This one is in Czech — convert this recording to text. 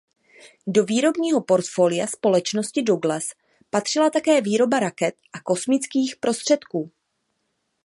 Do výrobního portfolia společnosti Douglas patřila také výroba raket a kosmických prostředků.